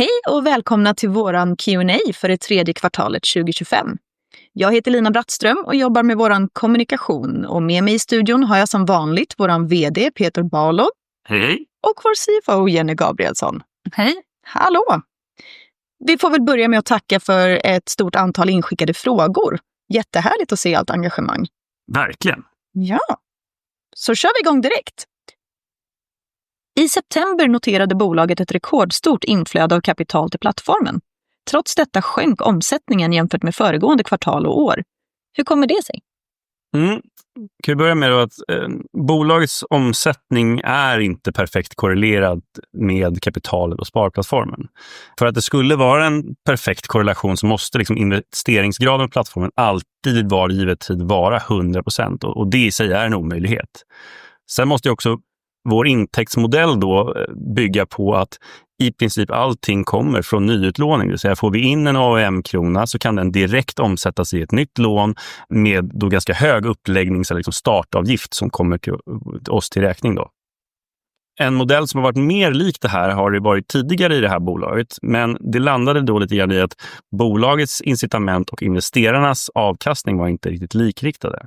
Hej och välkomna till vår Q&A för det tredje kvartalet 2025. Jag heter Lina Brattström och jobbar med vår kommunikation, och med mig i studion har jag som vanligt vår VD Peter Balog. Hej hej. Och vår CFO Jenny Gabrielsson. Hej. Hallå! Vi får väl börja med att tacka för ett stort antal inskickade frågor. Jättehärligt att se allt engagemang. Verkligen. Ja, så kör vi igång direkt. I september noterade bolaget ett rekordstort inflöde av kapital till plattformen. Trots detta sjönk omsättningen jämfört med föregående kvartal och år. Hur kommer det sig? Kan vi börja med då att bolagets omsättning är inte perfekt korrelerad med kapitalet och sparplattformen. För att det skulle vara en perfekt korrelation så måste investeringsgraden på plattformen alltid var given tid vara 100%, och det i sig är en omöjlighet. Sen måste ju också vår intäktsmodell då bygga på att i princip allting kommer från nyutlåning, det vill säga får vi in en krona så kan den direkt omsättas i ett nytt lån med då ganska hög uppläggnings- eller startavgift som kommer till oss till räkning då. En modell som har varit mer lik det här har det varit tidigare i det här bolaget, men det landade då lite grann i att bolagets incitament och investerarnas avkastning var inte riktigt likriktade.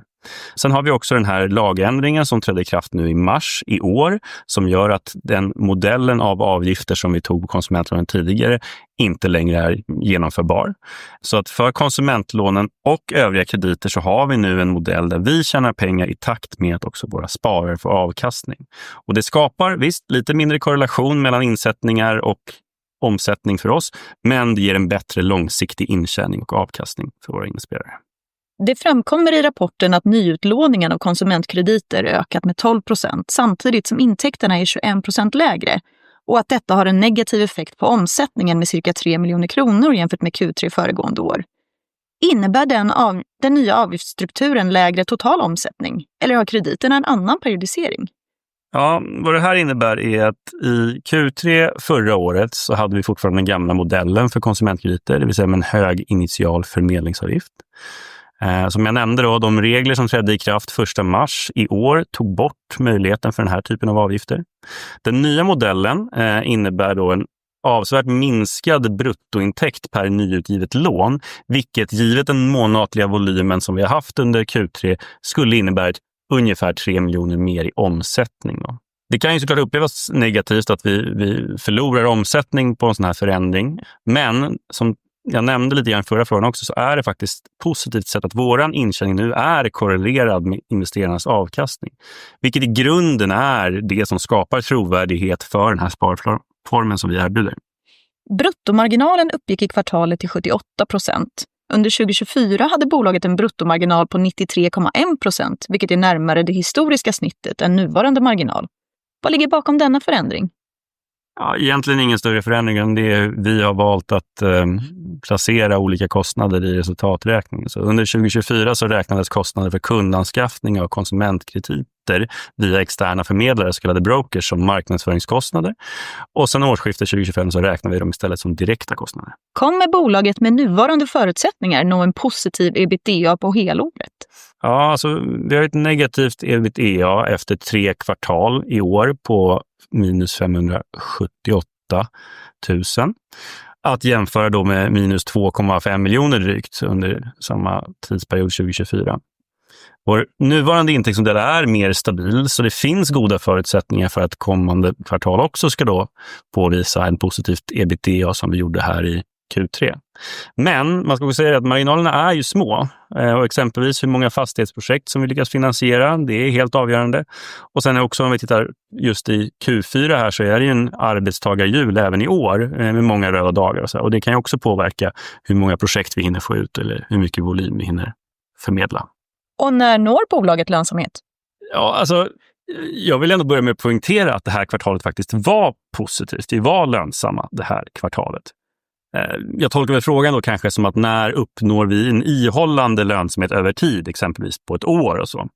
Sen har vi också den här lagändringen som trädde i kraft nu i mars i år, som gör att den modellen av avgifter som vi tog på konsumentlånen tidigare inte längre är genomförbar. Så att för konsumentlånen och övriga krediter så har vi nu en modell där vi tjänar pengar i takt med att också våra sparare får avkastning. Och det skapar visst lite mindre korrelation mellan insättningar och omsättning för oss, men det ger en bättre långsiktig intjäning och avkastning för våra investerare. Det framkommer i rapporten att nyutlåningen av konsumentkrediter ökat med 12%, samtidigt som intäkterna är 21% lägre, och att detta har en negativ effekt på omsättningen med cirka 3 miljoner kronor jämfört med Q3 föregående år. Innebär den nya avgiftsstrukturen lägre total omsättning, eller har krediterna en annan periodisering? Ja, vad det här innebär är att i Q3 förra året så hade vi fortfarande den gamla modellen för konsumentkrediter, det vill säga med en hög initial förmedlingsavgift. Som jag nämnde då, de regler som trädde i kraft 1 mars i år tog bort möjligheten för den här typen av avgifter. Den nya modellen innebär då en avsevärt minskad bruttointäkt per nyutgivet lån, vilket givet den månatliga volymen som vi har haft under Q3 skulle innebära ungefär 3 miljoner mer i omsättning då. Det kan ju såklart upplevas negativt att vi förlorar omsättning på en sådan här förändring, men som jag nämnde lite grann i förra frågan också så är det faktiskt ett positivt sätt att vår intjäning nu är korrelerad med investerarnas avkastning, vilket i grunden är det som skapar trovärdighet för den här sparformen som vi erbjuder. Bruttomarginalen uppgick i kvartalet till 78%. Under 2024 hade bolaget en bruttomarginal på 93,1%, vilket är närmare det historiska snittet än nuvarande marginal. Vad ligger bakom denna förändring? Ja, egentligen ingen större förändring än det vi har valt att placera olika kostnader i resultaträkningen. Under 2024 räknades kostnader för kundanskaffning av konsumentkrediter via externa förmedlare, så kallade brokers, som marknadsföringskostnader, och sedan årsskiftet 2025 räknar vi dem istället som direkta kostnader. Kommer bolaget med nuvarande förutsättningar nå en positiv EBITDA på helåret? Ja, alltså vi har ju ett negativt EBITDA efter tre kvartal i år på minus 578 000 kr, att jämföra då med minus 2,5 miljoner drygt under samma tidsperiod 2023. Vår nuvarande intäktsmodell är mer stabil, så det finns goda förutsättningar för att kommande kvartal också ska då påvisa ett positivt EBITDA som vi gjorde här i Q3. Men man ska också säga det att marginalerna är ju små, och exempelvis hur många fastighetsprojekt som vi lyckas finansiera, det är helt avgörande. Och sen också om vi tittar just i Q4 här så är det ju en arbetstagarjul även i år, med många röda dagar och så här, och det kan ju också påverka hur många projekt vi hinner få ut eller hur mycket volym vi hinner förmedla. Och när når bolaget lönsamhet? Ja, alltså jag vill ändå börja med att poängtera att det här kvartalet faktiskt var positivt. Vi var lönsamma det här kvartalet. Jag tolkar väl frågan då kanske som att när uppnår vi en ihållande lönsamhet över tid, exempelvis på ett år och så.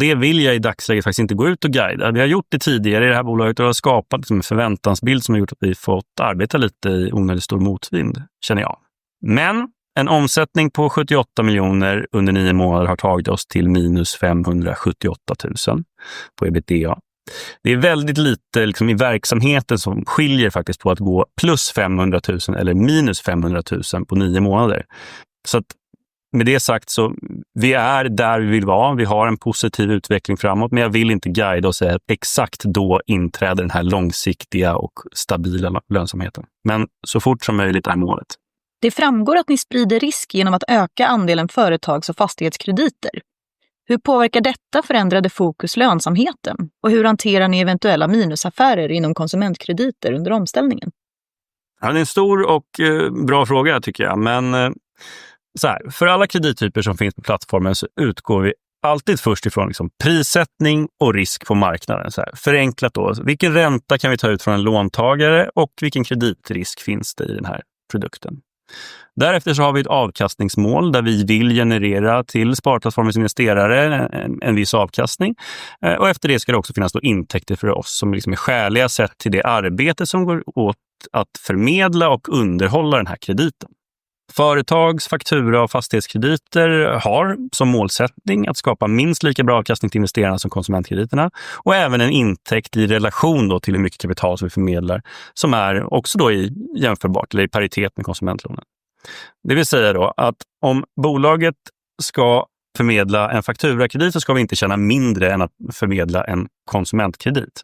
Det vill jag i dagsläget faktiskt inte gå ut och guida. Vi har gjort det tidigare i det här bolaget och det har skapat liksom en förväntansbild som har gjort att vi fått arbeta lite i onödigt stor motvind, känner jag. Men en omsättning på 78 miljoner under nio månader har tagit oss till minus 578 000 kr på EBITDA. Det är väldigt lite liksom i verksamheten som skiljer faktiskt på att gå plus 500 000 kr eller minus 500 000 kr på nio månader. Så att med det sagt så vi är där vi vill vara, vi har en positiv utveckling framåt, men jag vill inte guida och säga att exakt då inträder den här långsiktiga och stabila lönsamheten. Men så fort som möjligt är målet. Det framgår att ni sprider risk genom att öka andelen företags- och fastighetskrediter. Hur påverkar detta förändrade fokus lönsamheten och hur hanterar ni eventuella minusaffärer inom konsumentkrediter under omställningen? Ja, det är en stor och bra fråga tycker jag, men så här, för alla kredityper som finns på plattformen så utgår vi alltid först ifrån prissättning och risk på marknaden, så här förenklat då, vilken ränta kan vi ta ut från en låntagare och vilken kreditrisk finns det i den här produkten. Därefter så har vi ett avkastningsmål där vi vill generera till sparplattformens investerare en viss avkastning, och efter det ska det också finnas då intäkter för oss som är skäliga sett till det arbete som går åt att förmedla och underhålla den här krediten. Företags-, faktura- och fastighetskrediter har som målsättning att skapa minst lika bra avkastning till investerarna som konsumentkrediterna och även en intäkt i relation då till hur mycket kapital som vi förmedlar som är också då i jämförbart eller i paritet med konsumentlånen. Det vill säga då att om bolaget ska förmedla en fakturakredit så ska vi inte tjäna mindre än att förmedla en konsumentkredit.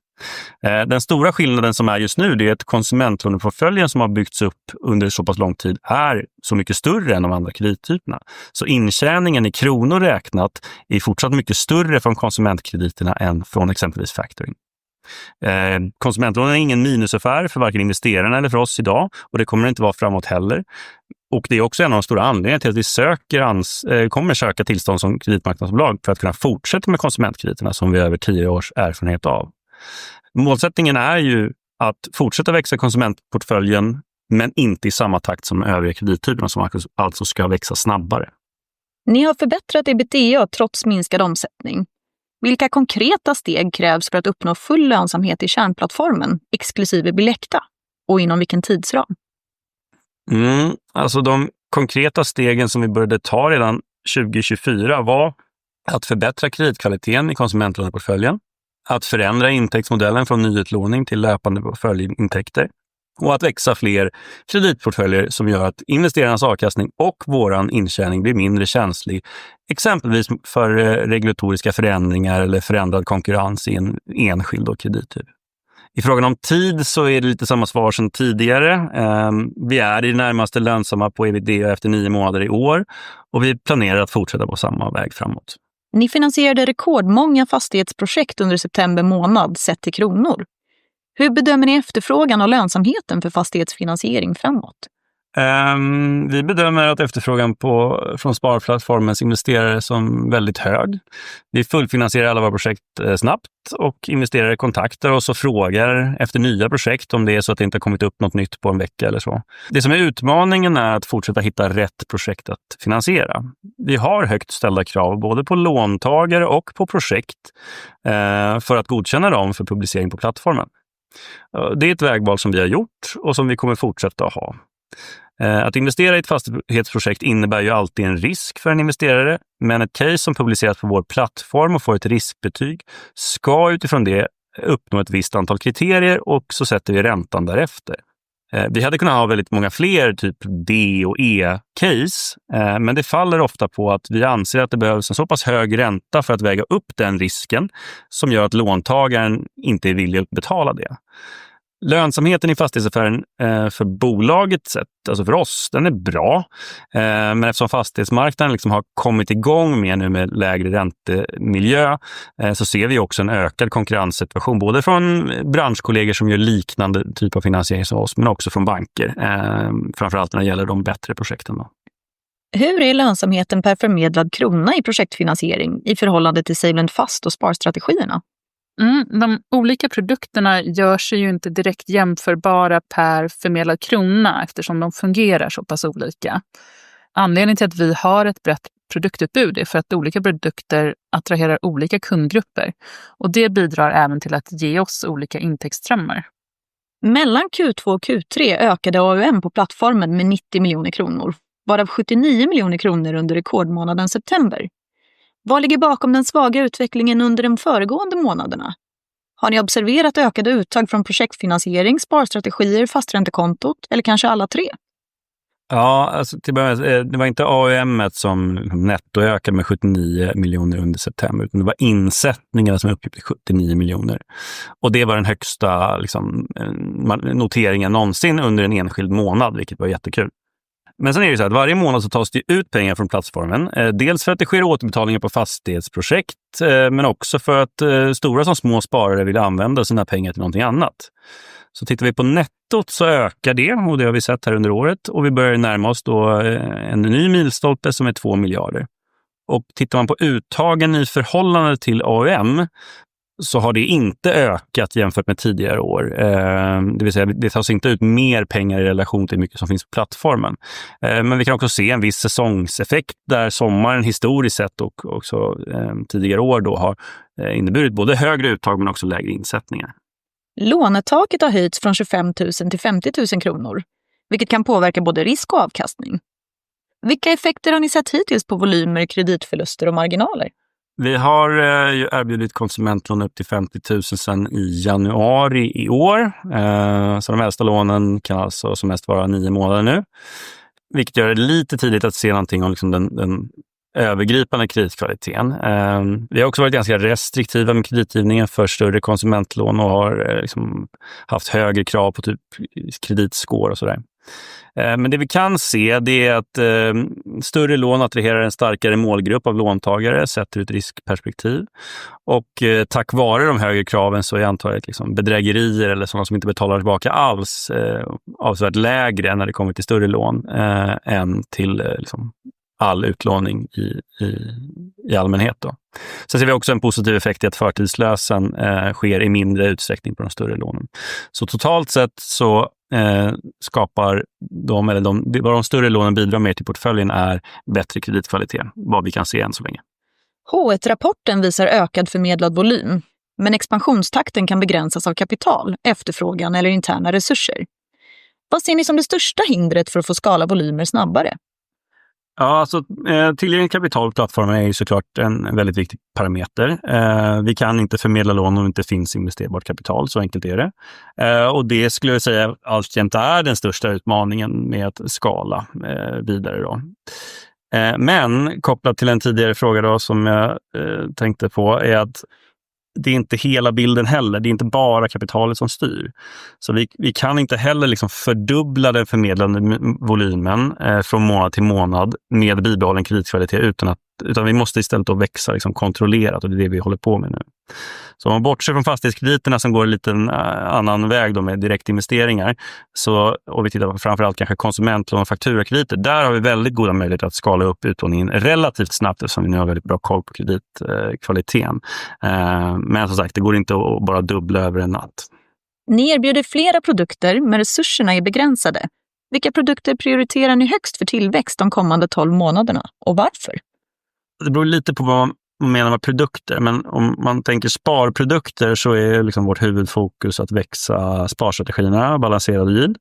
Den stora skillnaden som är just nu, det är att konsumentlåneportföljen som har byggts upp under så pass lång tid är så mycket större än de andra kredityperna, så intjäningen i kronor räknat är fortsatt mycket större från konsumentkrediterna än från exempelvis factoring. Konsumentlånen är ingen minusaffär för varken investerarna eller för oss idag, och det kommer det inte vara framåt heller. Och det är också en av de stora anledningarna till att vi kommer söka tillstånd som kreditmarknadsbolag för att kunna fortsätta med konsumentkrediterna som vi har över tio års erfarenhet av. Målsättningen är ju att fortsätta växa konsumentportföljen men inte i samma takt som övriga kredityperna som alltså ska växa snabbare. Ni har förbättrat EBITDA trots minskad omsättning. Vilka konkreta steg krävs för att uppnå full lönsamhet i kärnplattformen exklusive bilekta och inom vilken tidsram? Alltså de konkreta stegen som vi började ta redan 2024 var att förbättra kreditkvaliteten i konsumentlåneportföljen, att förändra intäktsmodellen från nyutlåning till löpande portföljintäkter och att växa fler kreditportföljer som gör att investerarnas avkastning och vår intjäning blir mindre känslig, exempelvis för regulatoriska förändringar eller förändrad konkurrens i en enskild kredityp. I frågan om tid så är det lite samma svar som tidigare. Vi är i det närmaste lönsamma på EBITDA efter nio månader i år och vi planerar att fortsätta på samma väg framåt. Ni finansierade rekordmånga fastighetsprojekt under september månad sett till kronor. Hur bedömer ni efterfrågan och lönsamheten för fastighetsfinansiering framåt? Vi bedömer att efterfrågan från sparplattformens investerare som väldigt hög. Vi fullfinansierar alla våra projekt snabbt och investerare kontaktar oss och frågar efter nya projekt om det är så att det inte har kommit upp något nytt på en vecka eller så. Det som är utmaningen är att fortsätta hitta rätt projekt att finansiera. Vi har högt ställda krav både på låntagare och på projekt för att godkänna dem för publicering på plattformen. Det är ett vägval som vi har gjort och som vi kommer fortsätta att ha. Att investera i ett fastighetsprojekt innebär ju alltid en risk för en investerare, men ett case som publiceras på vår plattform och får ett riskbetyg ska utifrån det uppnå ett visst antal kriterier och så sätter vi räntan därefter. Vi hade kunnat ha väldigt många fler typ D- och E-case, men det faller ofta på att vi anser att det behövs en så pass hög ränta för att väga upp den risken som gör att låntagaren inte är villig att betala det. Lönsamheten i fastighetsaffären för bolaget sett, alltså för oss, den är bra, men eftersom fastighetsmarknaden har kommit igång mer nu med lägre räntemiljö, så ser vi också en ökad konkurrenssituation både från branschkollegor som gör liknande typ av finansiering som oss, men också från banker, framförallt när det gäller de bättre projekten då. Hur är lönsamheten per förmedlad krona i projektfinansiering i förhållande till SaveLend Fast och sparstrategierna? De olika produkterna gör sig ju inte direkt jämförbara per förmedlad krona eftersom de fungerar så pass olika. Anledningen till att vi har ett brett produktutbud är för att olika produkter attraherar olika kundgrupper och det bidrar även till att ge oss olika intäktsströmmar. Mellan Q2 och Q3 ökade AUM på plattformen med 90 miljoner kronor, varav 79 miljoner kronor under rekordmånaden september. Vad ligger bakom den svaga utvecklingen under de föregående månaderna? Har ni observerat ökade uttag från projektfinansiering, sparstrategier, fasträntekontot eller kanske alla tre? Ja, alltså till att börja med, det var inte AUM:et som netto ökade med 79 miljoner under september, utan det var insättningarna som är uppgjort till 79 miljoner. Och det var den högsta noteringen någonsin under en enskild månad, vilket var jättekul. Men sen är det ju så här att varje månad så tas det ju ut pengar från plattformen, dels för att det sker återbetalningar på fastighetsprojekt, men också för att stora som små sparare vill använda sina pengar till någonting annat. Så tittar vi på nettot så ökar det, och det har vi sett här under året, och vi börjar närma oss då en ny milstolpe som är 2 miljarder. Och tittar man på uttagen i förhållande till AUM så har det inte ökat jämfört med tidigare år, det vill säga det tas inte ut mer pengar i relation till hur mycket som finns på plattformen. Men vi kan också se en viss säsongseffekt där sommaren historiskt sett och också tidigare år då har inneburit både högre uttag men också lägre insättningar. Lånetaket har höjts från 25 000 till 50 000 kronor, vilket kan påverka både risk och avkastning. Vilka effekter har ni sett hittills på volymer, kreditförluster och marginaler? Vi har ju erbjudit konsumentlån upp till 50 000 sen i januari i år, så de äldsta lånen kan alltså som mest vara nio månader nu, vilket gör det lite tidigt att se någonting om den övergripande kreditkvaliteten. Vi har också varit ganska restriktiva med kreditgivningen för större konsumentlån och har haft högre krav på typ kreditskår och så där. Men det vi kan se det är att större lån attraherar en starkare målgrupp av låntagare, sätter ut riskperspektiv, och tack vare de högre kraven så är antagligen bedrägerier eller sådana som inte betalar tillbaka alls avsevärt lägre än när det kommer till större lån än till all utlåning i allmänhet då. Sen ser vi också en positiv effekt i att förtidslösen sker i mindre utsträckning på de större lånen. Så totalt sett så skapar de eller de vad de större lånen bidrar mer till portföljen är bättre kreditkvalitet, vad vi kan se än så länge. H1-rapporten visar ökad förmedlad volym, men expansionstakten kan begränsas av kapital, efterfrågan eller interna resurser. Vad ser ni som det största hindret för att få skala volymer snabbare? Ja, alltså tillgängligt kapital på plattformen är ju såklart en väldigt viktig parameter. Vi kan inte förmedla lån om det inte finns investerbart kapital, så enkelt är det. Det skulle jag ju säga alltjämt är den största utmaningen med att skala vidare då. Men kopplat till en tidigare fråga då som jag tänkte på är att det är inte hela bilden heller, det är inte bara kapitalet som styr. Vi kan inte heller fördubbla den förmedlade volymen från månad till månad med bibehållen kreditkvalitet utan vi måste istället växa kontrollerat, och det är det vi håller på med nu. Så om man bortser från fastighetskrediterna som går en liten annan väg då med direktinvesteringar så, och vi tittar framförallt kanske konsumentlån och fakturakrediter, där har vi väldigt goda möjligheter att skala upp utlåningen relativt snabbt eftersom vi nu har väldigt bra koll på kreditkvaliteten. Men som sagt, det går inte att bara dubbla över en natt. Ni erbjuder flera produkter men resurserna är begränsade. Vilka produkter prioriterar ni högst för tillväxt de kommande tolv månaderna och varför? Det beror lite på vad man menar med produkter, men om man tänker sparprodukter så är liksom vårt huvudfokus att växa sparstrategierna och balanserad yield.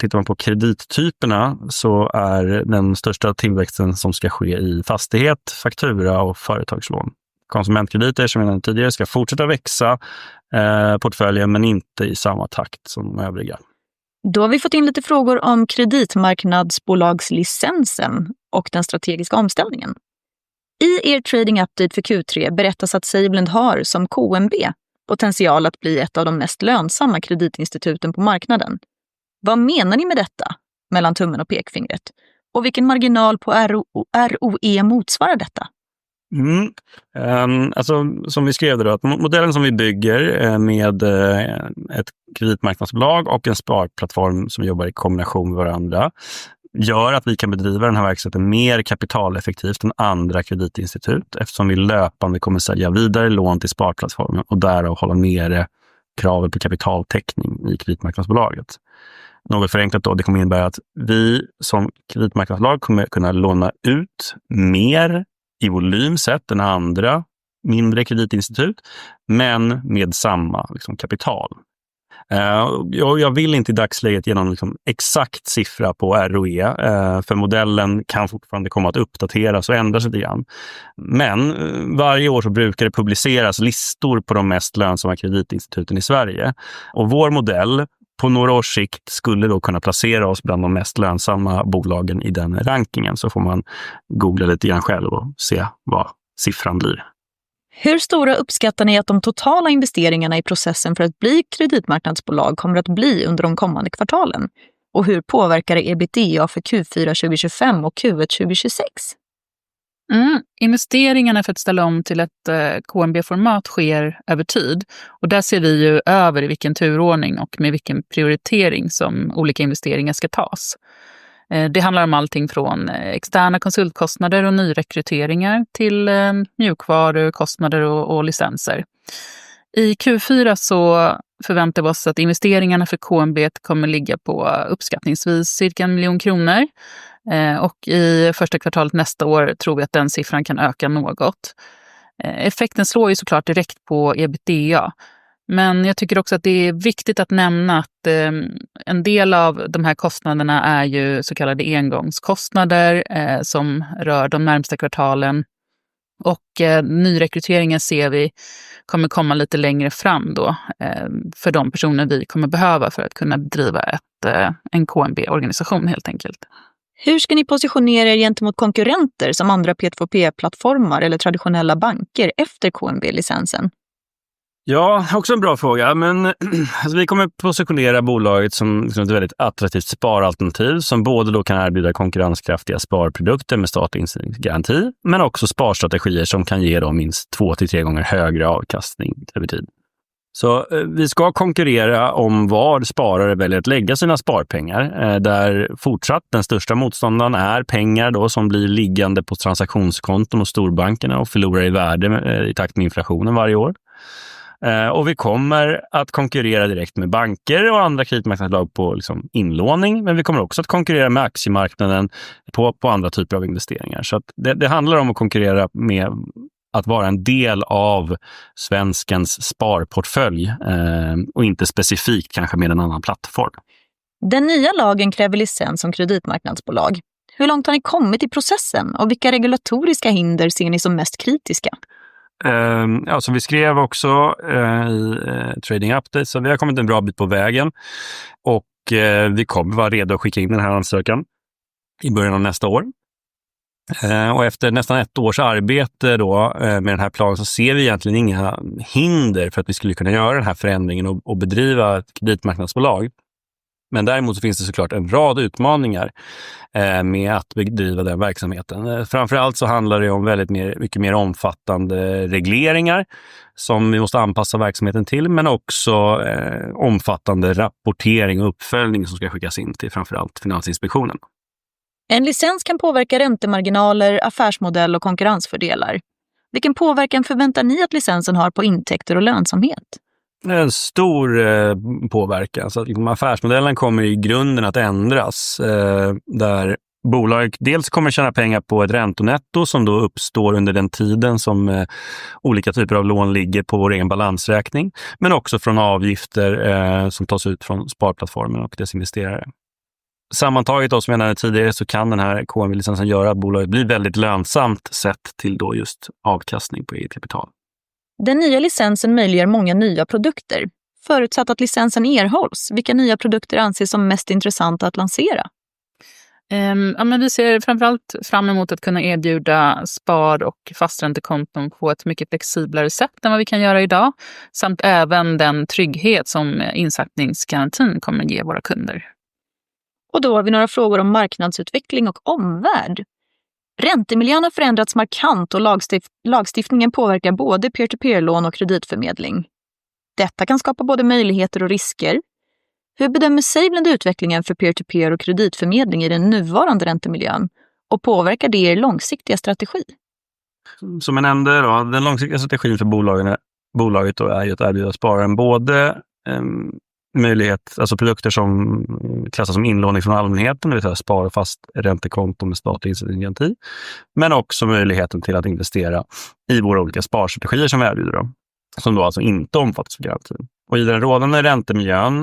Tittar man på kredittyperna så är den största tillväxten som ska ske i fastighet, faktura och företagslån. Konsumentkrediter, som jag nämnde tidigare, ska fortsätta växa portföljen men inte i samma takt som de övriga. Då har vi fått in lite frågor om kreditmarknadsbolagslicensen och den strategiska omställningen. I trading update för Q3 berättas att SaveLend har som KMB potential att bli ett av de mest lönsamma kreditinstituten på marknaden. Vad menar ni med detta, mellan tummen och pekfingret, och vilken marginal på ROE motsvarar detta? Ehm, alltså som vi skrev då att modellen som vi bygger med ett kreditmarknadsbolag och en sparplattform som jobbar i kombination med varandra gör att vi kan bedriva den här verksamheten mer kapitaleffektivt än andra kreditinstitut eftersom vi löpande kommer sälja vidare lån till sparplattformen och därav hålla nere kravet på kapitaltäckning i kreditmarknadsbolaget. Något förenklat då, det kommer innebära att vi som kreditmarknadsbolag kommer kunna låna ut mer i volym sett än andra mindre kreditinstitut, men med samma kapital. Jag vill inte i dagsläget ge någon exakt siffra på ROE, för modellen kan fortfarande komma att uppdateras och ändras lite grann. Men varje år så brukar det publiceras listor på de mest lönsamma kreditinstituten i Sverige, och vår modell på några års sikt skulle då kunna placera oss bland de mest lönsamma bolagen i den rankingen, så får man googla lite grann själv och se vad siffran blir. Hur stora uppskattar ni att de totala investeringarna i processen för att bli kreditmarknadsbolag kommer att bli under de kommande kvartalen, och hur påverkar det EBITDA för Q4 2025 och Q1 2026? Investeringarna för att ställa om till ett KMB-format sker över tid, och där ser vi ju över i vilken turordning och med vilken prioritering som olika investeringar ska tas. Det handlar om allting från externa konsultkostnader och nyrekryteringar till mjukvarukostnader och licenser. I Q4 så förväntar vi oss att investeringarna för KMB kommer ligga på uppskattningsvis cirka 1 miljon kronor, och i första kvartalet nästa år tror vi att den siffran kan öka något. Effekten slår ju såklart direkt på EBITDA, men jag tycker också att det är viktigt att nämna att en del av de här kostnaderna är ju så kallade engångskostnader som rör de närmsta kvartalen, och nyrekryteringar ser vi kommer komma lite längre fram då för de personer vi kommer behöva för att kunna bedriva en KMB-organisation helt enkelt. Hur ska ni positionera gentemot konkurrenter som andra P2P-plattformar eller traditionella banker efter KMB-licensen? Ja, också en bra fråga, men alltså vi kommer positionera bolaget som ett väldigt attraktivt sparalternativ som både då kan erbjuda konkurrenskraftiga sparprodukter med statlig insättningsgaranti, men också sparstrategier som kan ge då minst två till tre gånger högre avkastning över tid. Så vi ska konkurrera om vad sparare väljer att lägga sina sparpengar, där fortsatt den största motståndaren är pengar då som blir liggande på transaktionskonton hos storbankerna och förlorar i värde i takt med inflationen varje år. Vi kommer att konkurrera direkt med banker och andra kreditmarknadsbolag på inlåning, men vi kommer också att konkurrera med aktiemarknaden på andra typer av investeringar. Så det handlar om att konkurrera med att vara en del av svenskens sparportfölj, och inte specifikt kanske med en annan plattform. Den nya lagen kräver licens som kreditmarknadsbolag. Hur långt har ni kommit i processen och vilka regulatoriska hinder ser ni som mest kritiska? Ja, som vi skrev också i trading update, så vi har kommit en bra bit på vägen och vi kommer vara redo att skicka in den här ansökan i början av nästa år. Efter nästan ett års arbete då med den här planen så ser vi egentligen inga hinder för att vi skulle kunna göra den här förändringen och bedriva ett kreditmarknadsbolag. Men däremot så finns det såklart en rad utmaningar med att bedriva den verksamheten. Framförallt så handlar det om väldigt mycket mer omfattande regleringar som vi måste anpassa verksamheten till, men också omfattande rapportering och uppföljning som ska skickas in till framförallt Finansinspektionen. En licens kan påverka räntemarginaler, affärsmodell och konkurrensfördelar. Vilken påverkan förväntar ni att licensen har på intäkter och lönsamhet? En stor påverkan, så att affärsmodellen kommer i grunden att ändras, där bolag dels kommer tjäna pengar på ett räntenetto som då uppstår under den tiden som olika typer av lån ligger på vår egen balansräkning, men också från avgifter som tas ut från sparplattformen och dess investerare. Sammantaget, som jag nämnde tidigare, så kan den här KMB-licensen göra att bolaget blir väldigt lönsamt sett till avkastning på eget kapital. Den nya licensen möjliggör många nya produkter. Förutsatt att licensen erhålls, vilka nya produkter anses som mest intressanta att lansera? Ja, men vi ser framförallt fram emot att kunna erbjuda spar- och fasträntekonton på ett mycket flexiblare sätt än vad vi kan göra idag, samt även den trygghet som insättningsgarantin kommer att ge våra kunder. Och då har vi några frågor om marknadsutveckling och omvärld. Räntemiljön har förändrats markant och lagstiftningen påverkar både peer-to-peer-lån och kreditförmedling. Detta kan skapa både möjligheter och risker. Hur bedömer SaveLend utvecklingen för peer-to-peer och kreditförmedling i den nuvarande räntemiljön, och påverkar det långsiktiga strategi? Som jag nämnde då, den långsiktiga strategin för bolaget är ju att erbjuda spararen både möjlighet, alltså produkter som klassas som inlåning från allmänheten, det vill säga spar- och fasträntekonton med statlig insättningsgaranti, men också möjligheten till att investera i våra olika sparstrategier som vi erbjuder dem, som alltså inte omfattas av garantin. I den rådande räntemiljön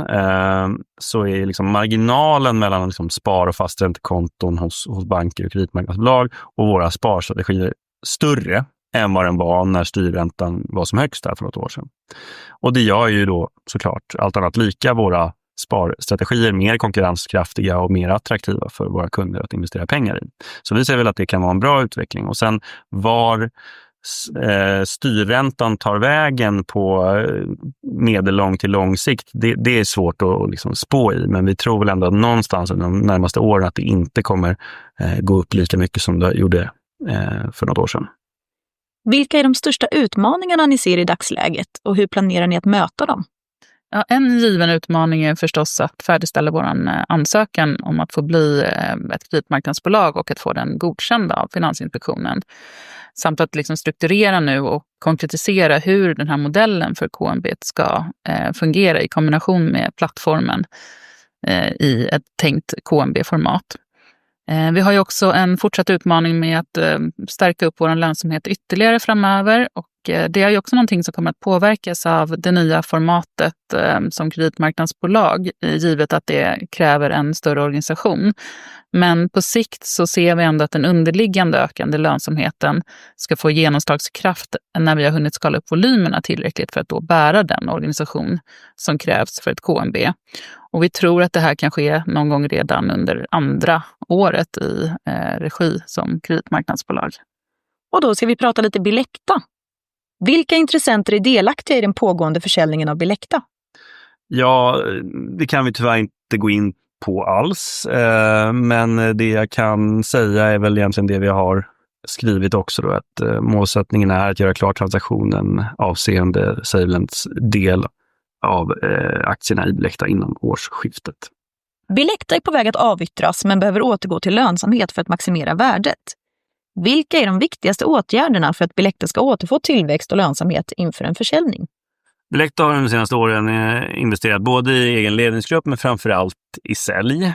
så är marginalen mellan spar- och fasträntekonton hos banker och kreditmarknadsbolag och våra sparstrategier större än vad den var när styrräntan var som högst här för något år sedan. Det gör ju såklart allt annat lika våra sparstrategier mer konkurrenskraftiga och mer attraktiva för våra kunder att investera pengar i. Vi ser väl att det kan vara en bra utveckling. Och sen var styrräntan tar vägen på medellång till lång sikt, det är svårt att spå i, men vi tror ändå att någonstans under de närmaste åren att det inte kommer gå upp lika mycket som det gjorde för något år sedan. Vilka är de största utmaningarna ni ser i dagsläget och hur planerar ni att möta dem? Ja, en given utmaning är förstås att färdigställa vår ansökan om att få bli ett kreditmarknadsbolag och att få den godkänd av Finansinspektionen, samt att strukturera nu och konkretisera hur den här modellen för KMB ska fungera i kombination med plattformen i ett tänkt KMB-format. Vi har ju också en fortsatt utmaning med att stärka upp vår lönsamhet ytterligare framöver, och det är ju också någonting som kommer att påverkas av det nya formatet som kreditmarknadsbolag, givet att det kräver en större organisation. Men på sikt så ser vi ändå att den underliggande ökande lönsamheten ska få genomslagskraft när vi har hunnit skala upp volymerna tillräckligt för att då bära den organisation som krävs för ett KMB. Vi tror att det här kan ske någon gång redan under andra året i regi som kreditmarknadsbolag. Och då ska vi prata lite Bilekta. Vilka intressenter är delaktiga i den pågående försäljningen av Bilekta? Ja, det kan vi tyvärr inte gå in på alls, men det jag kan säga är väl egentligen det vi har skrivit också då, att målsättningen är att göra klar transaktionen avseende SaveLends del av aktierna i Bilekta innan årsskiftet. Bilekta är på väg att avyttras, men behöver återgå till lönsamhet för att maximera värdet. Vilka är de viktigaste åtgärderna för att Bilekta ska återfå tillväxt och lönsamhet inför en försäljning? Bilekta har under de senaste åren investerat både i egen ledningsgrupp, men framförallt i sälj.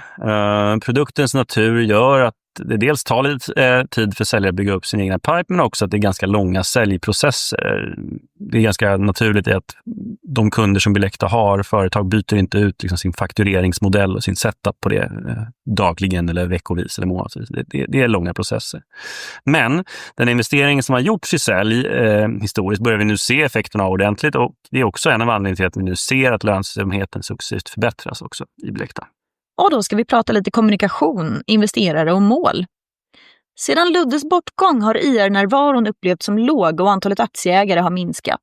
Produktens natur gör att det dels tar lite tid för säljare att bygga upp sin egen pipe, men också att det är ganska långa säljprocesser. Det är ganska naturligt att de kunder som Bilekta har, företag byter inte ut sin faktureringsmodell och sin setup dagligen eller veckovis eller månadsvis. Det är långa processer. Men den investering som har gjorts i sälj historiskt börjar vi nu se effekterna av ordentligt, och det är också en av anledningarna till att vi nu ser att lönsamheten successivt förbättras också i Bilekta. Och då ska vi prata lite kommunikation, investerare och mål. Sedan Luddes bortgång har IR-närvaron upplevts som låg och antalet aktieägare har minskat.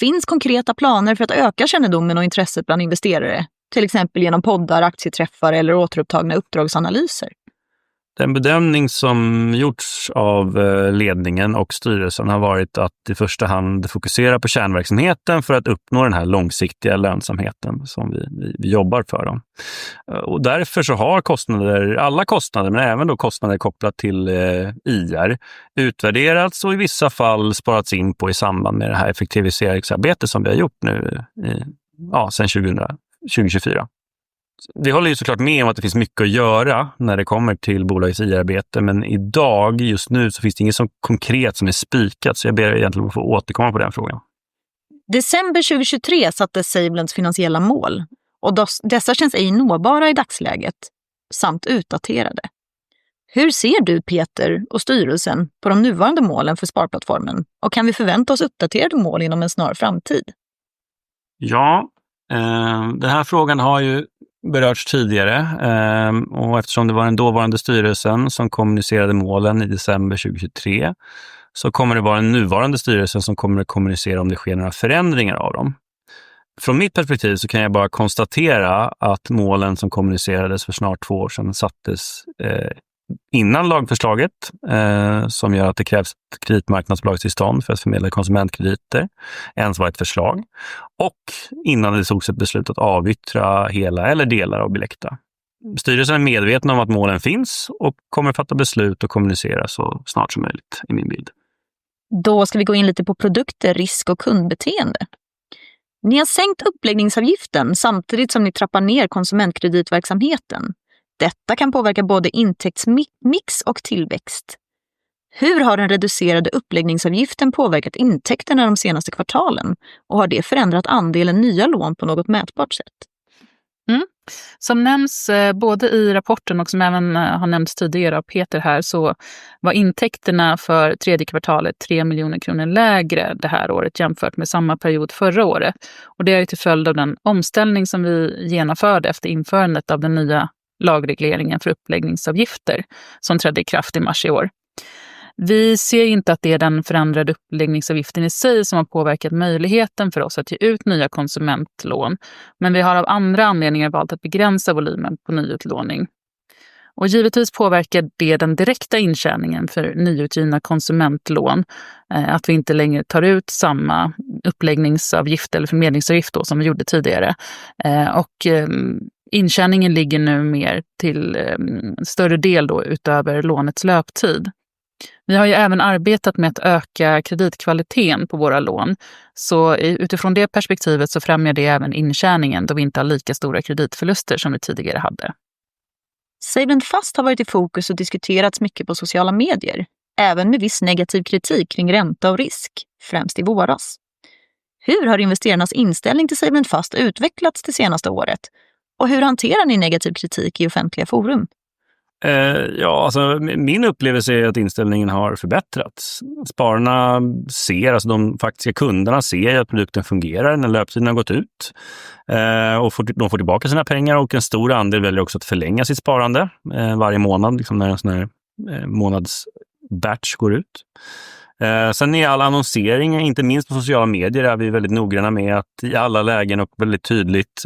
Finns konkreta planer för att öka kännedomen och intresset bland investerare, till exempel genom poddar, aktieträffar eller återupptagna uppdragsanalyser? Den bedömning som gjorts av ledningen och styrelsen har varit att i första hand fokusera på kärnverksamheten för att uppnå den här långsiktiga lönsamheten som vi jobbar för. Därför så har kostnader, alla kostnader, men även kostnader kopplade till IR, utvärderats och i vissa fall sparats in på i samband med det här effektiviseringsarbetet som vi har gjort sedan 2024. Vi håller såklart med om att det finns mycket att göra när det kommer till bolagets IR-arbete, men idag, just nu, så finns det inget konkret som är spikad, så jag ber att få återkomma på den frågan. December 2023 satte SaveLends finansiella mål, och dessa känns ej nåbara i dagsläget, samt utdaterade. Hur ser du, Peter, och styrelsen på de nuvarande målen för sparplattformen, och kan vi förvänta oss uppdaterade mål inom en snar framtid? Ja, den här frågan har ju berörts tidigare, och eftersom det var den dåvarande styrelsen som kommunicerade målen i december 2023, så kommer det vara den nuvarande styrelsen som kommer att kommunicera om det sker några förändringar av dem. Från mitt perspektiv så kan jag bara konstatera att målen som kommunicerades för snart två år sedan sattes, innan lagförslaget, som gör att det krävs ett kreditmarknadsbolagstillstånd för att förmedla konsumentkrediter, ens var ett förslag, och innan det togs ett beslut att avyttra hela eller delar av Bilekta. Styrelsen är medveten om att målen finns och kommer att fatta beslut och kommunicera så snart som möjligt, i min bild. Då ska vi gå in lite på produkter, risk och kundbeteende. Ni har sänkt uppläggningsavgiften samtidigt som ni trappar ner konsumentkreditverksamheten. Detta kan påverka både intäktsmix och tillväxt. Hur har den reducerade uppläggningsavgiften påverkat intäkterna de senaste kvartalen, och har det förändrat andelen nya lån på något mätbart sätt? Som nämns både i rapporten och som även har nämnts tidigare av Peter här, så var intäkterna för tredje kvartalet 3 miljoner kronor lägre det här året jämfört med samma period förra året, och det är till följd av den omställning som vi genomförde efter införandet av den nya lagregleringen för uppläggningsavgifter som trädde i kraft i mars i år. Vi ser inte att det är den förändrade uppläggningsavgiften i sig som har påverkat möjligheten för oss att ge ut nya konsumentlån, men vi har av andra anledningar valt att begränsa volymen på nyutlåning. Givetvis påverkar det den direkta intjäningen för nyutgivna konsumentlån, att vi inte längre tar ut samma uppläggningsavgift eller förmedlingsavgift som vi gjorde tidigare, och intjäningen ligger nu mer till större del utöver lånets löptid. Vi har ju även arbetat med att öka kreditkvaliteten på våra lån, så utifrån det perspektivet så främjar det även intjäningen då vi inte har lika stora kreditförluster som vi tidigare hade. SaveLend Fast har varit i fokus och diskuterats mycket på sociala medier, även med viss negativ kritik kring ränta och risk, främst i våras. Hur har investerarnas inställning till SaveLend Fast utvecklats det senaste året, och hur hanterar ni negativ kritik i offentliga forum? Ja, alltså min upplevelse är ju att inställningen har förbättrats. Spararna ser, alltså de faktiska kunderna ser ju att produkten fungerar när löptiden har gått ut, och de får tillbaka sina pengar, och en stor andel väljer också att förlänga sitt sparande varje månad när en sådan här månadsbatch går ut. Sen i alla annonseringar, inte minst på sociala medier, är vi väldigt noggranna med att i alla lägen och väldigt tydligt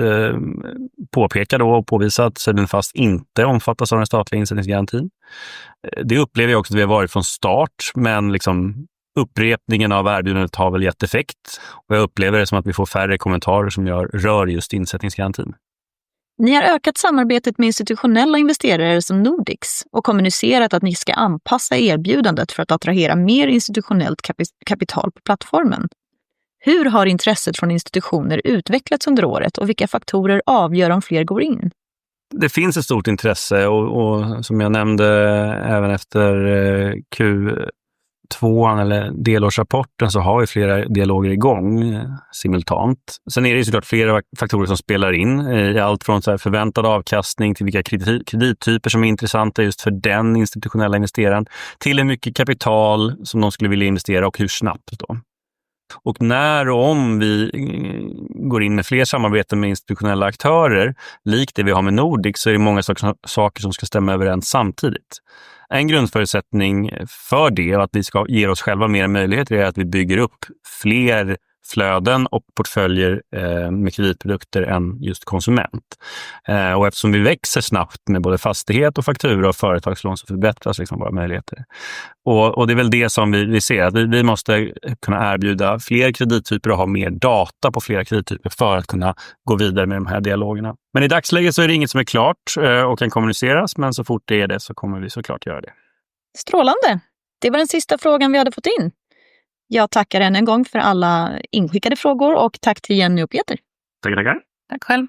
påpeka då och påvisa att SaveLend Fast inte omfattas av den statliga insättningsgarantin. Det upplever jag också att vi har varit från start, men upprepningen av erbjudandet har väl gett effekt, och jag upplever det som att vi får färre kommentarer som rör just insättningsgarantin. Ni har ökat samarbetet med institutionella investerare som Nordix och kommunicerat att ni ska anpassa erbjudandet för att attrahera mer institutionellt kapital på plattformen. Hur har intresset från institutioner utvecklats under året, och vilka faktorer avgör om fler går in? Det finns ett stort intresse, och som jag nämnde, även efter Q2 eller delårsrapporten så har vi flera dialoger igång simultant. Sen är det ju såklart flera faktorer som spelar in, i allt från förväntad avkastning till vilka kredityper som är intressanta just för den institutionella investeraren, till hur mycket kapital som de skulle vilja investera och hur snabbt då. Och när och om vi går in med fler samarbeten med institutionella aktörer, likt det vi har med Nordix, så är det många saker som ska stämma överens samtidigt. En grundförutsättning för det, och att vi ska ge oss själva mer möjligheter, är att vi bygger upp fler flöden och portföljer med kreditprodukter än just konsument. Och eftersom vi växer snabbt med både fastighet och faktura och företagslån, så förbättras våra möjligheter. Och det är väl det som vi ser, att vi måste kunna erbjuda fler kredityper och ha mer data på flera kredityper för att kunna gå vidare med de här dialogerna. Men i dagsläget så är det inget som är klart och kan kommuniceras, men så fort det är det så kommer vi såklart göra det. Strålande. Det var den sista frågan vi hade fått in. Jag tackar än en gång för alla inskickade frågor, och tack till Jenny och Peter. Tack, tackar. Tack själv.